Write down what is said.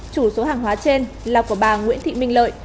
chủ số hàng hóa trên là của bà nguyễn thị minh lợi